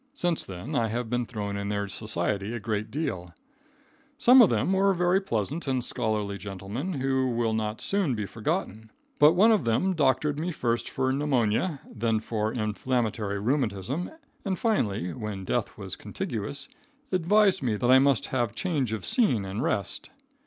Since then I have been thrown in their society a great deal. Most of them were very pleasant and scholarly gentlemen, who will not soon be forgotten; but one of them doctored me first for pneumonia, then for inflammatory rheumatism, and finally, when death was contiguous, advised me that I must have change of scene and rest.